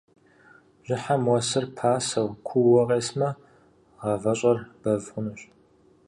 Бжьыхьэм уэсыр пасэу, куууэ къесмэ, гъавэщӏэр бэв хъунущ.